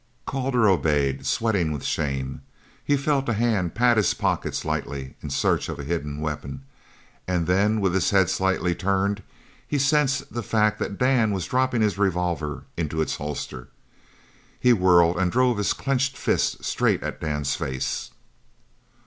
Calder obeyed, sweating with shame. He felt a hand pat his pockets lightly in search for a hidden weapon, and then, with his head slightly turned, he sensed the fact that Dan was dropping his revolver into its holster. He whirled and drove his clenched fist straight at Dan's face.